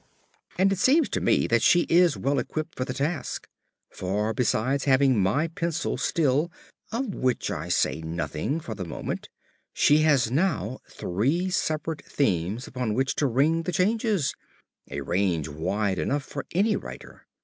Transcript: And it seems to me that she is well equipped for the task. For besides having my pencil still (of which I say nothing for the moment) she has now three separate themes upon which to ring the changes a range wide enough for any writer.